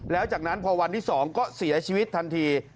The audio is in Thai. แล้วจากนั้นพอวันที่๒ก็เสียชีวิตทันที